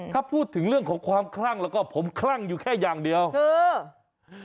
ถ้าพูดถึงเรื่องของความคลั่งแล้วก็ผมคลั่งอยู่แค่อย่างเดียวเออ